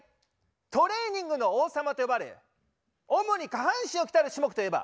「トレーニングの王様」と呼ばれ主に下半身を鍛える種目といえば？